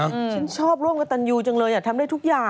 ฉันชอบร่วมกับตันยูจังเลยอ่ะทำได้ทุกอย่าง